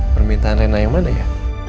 permintaan rena yang mana ya